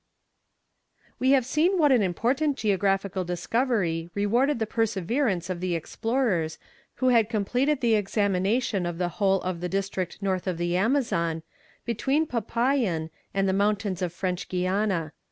We have seen what an important geographical discovery rewarded the perseverance of the explorers who had completed the examination of the whole of the district north of the Amazon, between Popayan and the mountains of French Guiana.